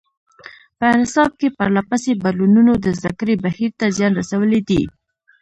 په نصاب کې پرله پسې بدلونونو د زده کړې بهیر ته زیان رسولی دی.